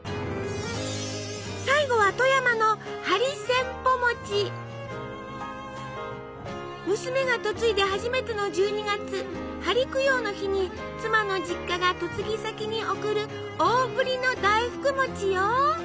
最後は富山の娘が嫁いで初めての１２月針供養の日に妻の実家が嫁ぎ先に贈る大ぶりの大福餅よ！